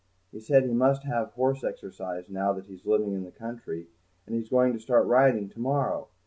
He said he must have horse exercise now that he's living in the country, and he's going to start riding to morrow.